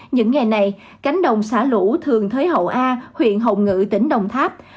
những ngày này cánh đồng xả lũ thường thới hậu a huyện hồng ngự tỉnh đồng tháp